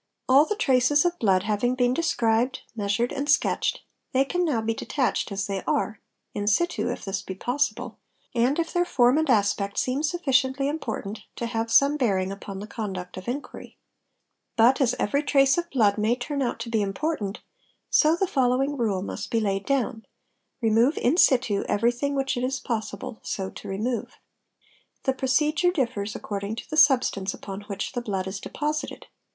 All the traces of blood having been described, measured, and sketched, they can now be detached as they are, im situ if this be possible, and if their form and aspect seem sufficiently important to have some bearing upon the conduct of inquiry. But as every trace of blood may turn out to be important, so the following rule must be laid down: remove in situ everything which it is possible so to remove. The procedure differs according to the substance upon which the blood is deposited.